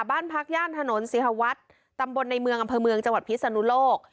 บ้านพักย่านถนนศิหวัฒน์ตำบลในเมืองอำเภอเมืองจังหวัดพิศนุโลก